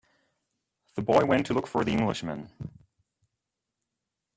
The boy went to look for the Englishman.